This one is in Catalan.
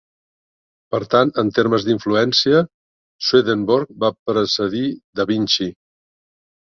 Per tant, en termes d'influència, Swedenborg va precedir da Vinci.